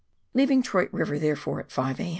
Leaving Troyte River, therefore, at 5 a.